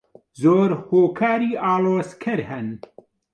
زۆر هۆکاری ئاڵۆزکەر هەن.